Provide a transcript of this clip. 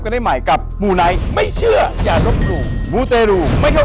กันให้ใหม่กับมูนายไม่เชื่ออย่ารบหนูมูเตรูไม่เท่า